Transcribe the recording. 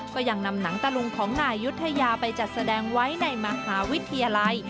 ก็ยังนำหนังตะลุงของนายยุธยาไปจัดแสดงไว้ในมหาวิทยาลัย